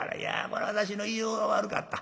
こら私の言いようが悪かった。